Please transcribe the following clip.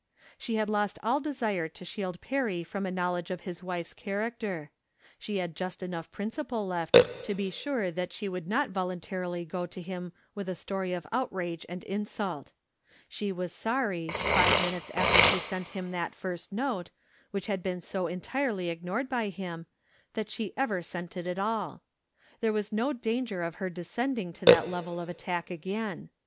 She had lost all desire to shield Perry from a knowledge of his wife's character. She had just enough principle left to be sure that she would not voluntarily go to him with a story of outrage and insult. She was sorry, five min utes after she sent him that first note, which had been so entirely ignored by him, that she ever sent it at all. There was no danger of her des cending to that level of attack again.